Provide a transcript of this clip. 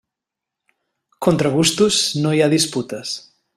Contra gustos no hi ha disputes.